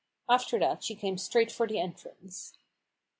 After that she came straight for the entrance.